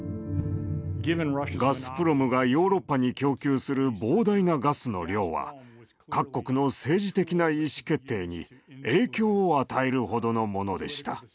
ガスプロムがヨーロッパに供給する膨大なガスの量は各国の政治的な意思決定に影響を与えるほどのものでした。